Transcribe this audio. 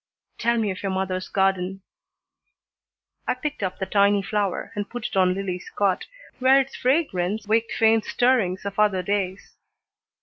"Tell me of your mother's garden." I picked up the tiny flower and put it on Lillie's cot, where its fragrance waked faint stirrings of other days.